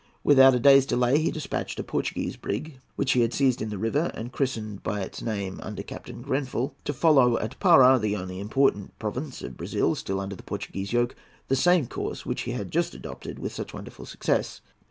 Without a day's delay, he despatched a Portuguese brig which he had seized in the river and christened by its name, under Captain Grenfell, to follow at Parà, the only important province of Brazil still under the Portuguese yoke, the same course which he had just adopted with such wonderful success.